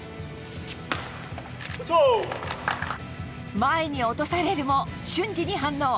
前に落とされるも瞬時に反応。